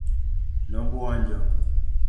nobwonjo